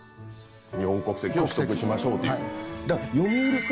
日本国籍を取得しましょうというだから。